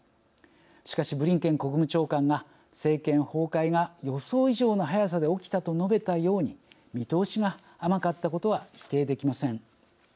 しかし、ブリンケン国務長官が「政権崩壊が予想以上の速さで起きた」と述べたように見通しが甘かったことは否定できません。